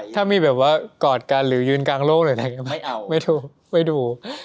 ถ้ามีรูปแบบว่ากอดกันหรือยืนยืนยืนยืนกังโลกไม่ดู